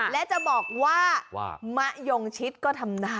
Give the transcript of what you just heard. และจะบอกว่ามะยงชิดก็ทำได้